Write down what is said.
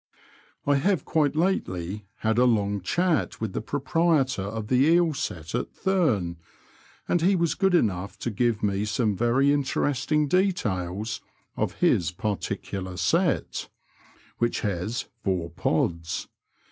I have quite lately had a long chat with the proprietor of the eel set at Thum, and he was good enough to give me some very interesting details of his particular '* set,*' which has four << pods."